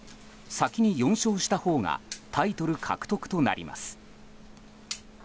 先に４勝したほうがタイトル獲得となります。